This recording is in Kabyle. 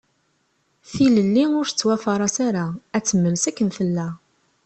Tilelli ur tettwafras ara, ad temmels akken tella.